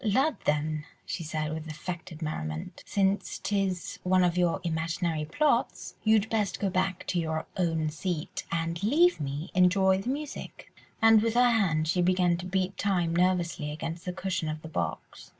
"Lud, then," she said, with affected merriment, "since 'tis one of your imaginary plots, you'd best go back to your own seat and leave me to enjoy the music." And with her hand she began to beat time nervously against the cushion of the box.